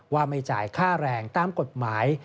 ว่าไม่จ่ายค่าแรงตามกฎหมาย